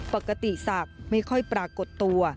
ปกติศักดิ์ไม่ค่อยปรากฏตัว